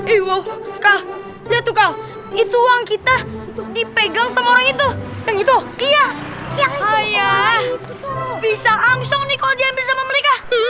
itu orang kita dipegang sama orang itu yang itu iya bisa angsung nih kalau dia bisa mereka